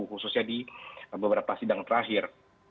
khususnya di beberapa sidang terakhir